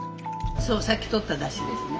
そうさっきとっただしですね。